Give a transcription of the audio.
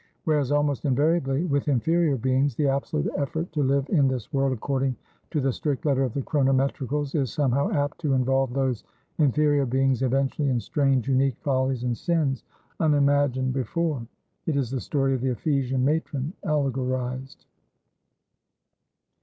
Whereas, almost invariably, with inferior beings, the absolute effort to live in this world according to the strict letter of the chronometricals is, somehow, apt to involve those inferior beings eventually in strange, unique follies and sins, unimagined before. It is the story of the Ephesian matron, allegorized.